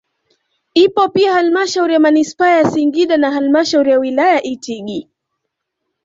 ipo pia Hlmashauri ya Manispaa ya Singida na halmashauri ya wilaya ya Itigi